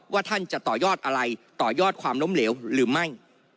ท่านจะต่อยอดอะไรต่อยอดความล้มเหลวหรือไม่